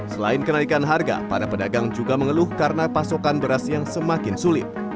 selain kenaikan harga para pedagang juga mengeluh karena pasokan beras yang semakin sulit